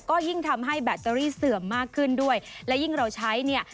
ก็ยิ่งทำให้แบตเตอรี่เสื่อมมากขึ้นด้วยและยิ่งเราใช้เนี่ย